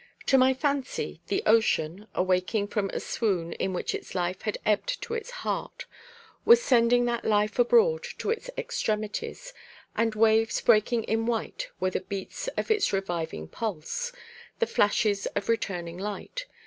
To my fancy, the ocean, awaking from a swoon in which its life had ebbed to its heart, was sending that life abroad to its extremities, and waves breaking in white were the beats of its reviving pulse, the flashes of returning light.